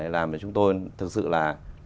làm cho chúng tôi thực sự là